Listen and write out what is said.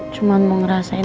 cuman mau ngerasain